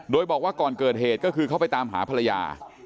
โดยบอกว่าก่อนเกิดเหตุก็คือเขาไปตามหาภรรยา